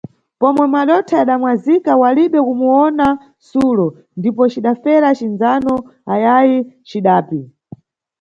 Pomwe madotha yadamwazika, walibe kumuyona Sulo, ndipo cidafera cindzano ayayi cidapi.